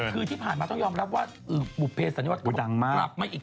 คือที่ผ่านมาต้องยอมรับว่าบุภิสันิวากลับมาอีก